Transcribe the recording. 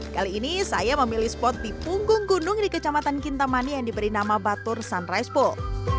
kali ini saya memilih spot di punggung gunung di kecamatan kintamani yang diberi nama batur sunrise pool